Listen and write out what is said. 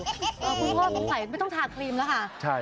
คุณพ่อสงสัยไม่ต้องทาครีมแล้วค่ะ